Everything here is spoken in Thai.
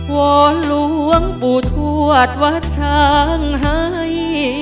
อนหลวงปู่ทวดวัดช้างให้